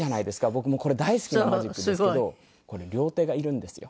僕もうこれ大好きなマジックなんですけどこれ両手がいるんですよ。